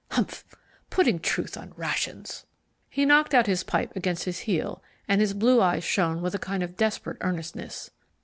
Humph! Putting Truth on rations!" He knocked out his pipe against his heel, and his blue eyes shone with a kind of desperate earnestness.